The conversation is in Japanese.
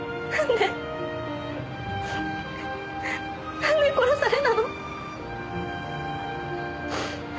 なんで殺されたの？